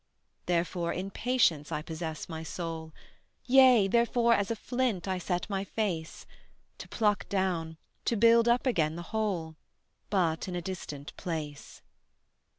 Therefore in patience I possess my soul; Yea, therefore as a flint I set my face, To pluck down, to build up again the whole But in a distant place.